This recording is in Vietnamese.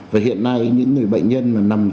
và hiện nay những người bệnh nhân mà nằm